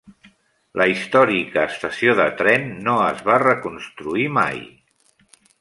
La històrica estació de tren no es va reconstruir mai.